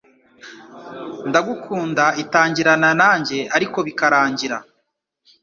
Ndagukunda” itangirana na njye, ariko bikarangira